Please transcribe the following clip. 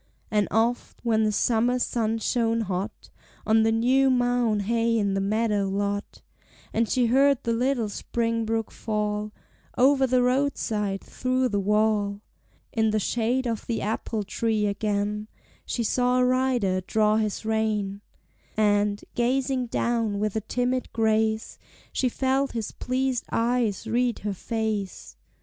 And oft, when the summer sun shone hot On the new mown hay in the meadow lot, And she heard the little spring brook fall Over the roadside, through the wall, In the shade of the apple tree again She saw a rider draw his rein, And, gazing down with a timid grace, She felt his pleased eyes read her face.